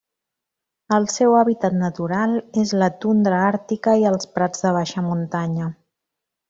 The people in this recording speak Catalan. El seu hàbitat natural és la tundra àrtica i els prats de baixa muntanya.